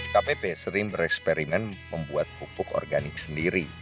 kpp sering bereksperimen membuat pupuk organik sendiri